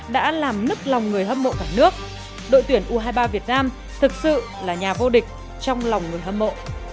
đã làm nứt lòng người hâm mộ cả nước đội tuyển u hai mươi ba việt nam thực sự là nhà vô địch trong lòng người hâm mộ